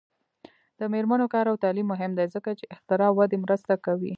د میرمنو کار او تعلیم مهم دی ځکه چې اختراع ودې مرسته کوي.